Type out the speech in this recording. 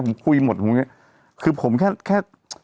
ผมคุยหมดคือผมแค่